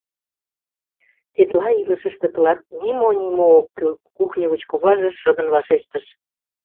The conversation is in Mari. Тетла илышыште тылат нимо-нимо ок кӱл, — кухньо гыч куваже шыдын вашештыш.